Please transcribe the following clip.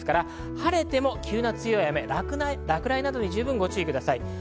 晴れでも急な強い雨、落雷にもご注意ください。